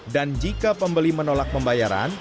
dan jika pembeli menolak pembayaran